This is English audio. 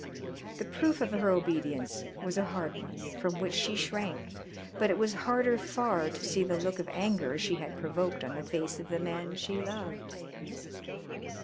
The proof of her obedience was a hard one, from which she shrank, but it was harder far to see the look of anger she had provoked on the face of the man she loved.